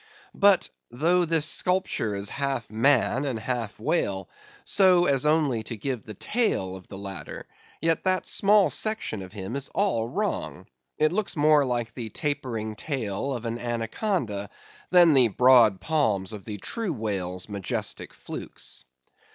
But though this sculpture is half man and half whale, so as only to give the tail of the latter, yet that small section of him is all wrong. It looks more like the tapering tail of an anaconda, than the broad palms of the true whale's majestic flukes.